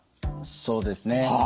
そうですね。